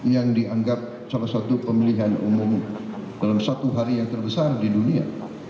yang dianggap salah satu pemilihan umum dalam satu hari yang terbesar di dunia